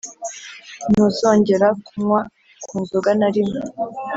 ntuzongera kunywa ku nzoga narimwe